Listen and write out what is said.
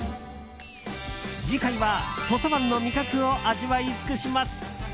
次回は土佐湾の味覚を味わい尽くします。